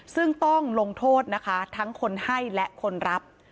ซึ่งต้องลงโทษนะคะทั้งคนให้และคนรับ